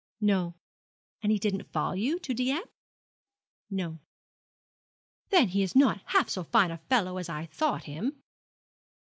'No.' 'And he didn't follow you to Dieppe?' 'No.' 'Then he is not half so fine a fellow as I thought him.'